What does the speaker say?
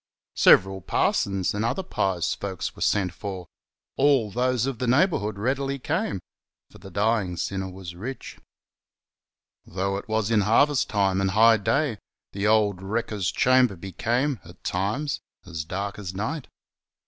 Several parsons and other pious folks were sent for, — all those of the neighbourhood readUy came, for the dying sinner was rich. Though it was in harvest time and high day, the old wrecker's chamber became, at times, as dark as night.